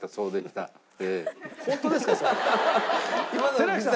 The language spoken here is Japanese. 寺脇さん